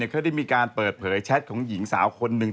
เขาได้มีการเปิดเผยแชทของหญิงสาวคนหนึ่ง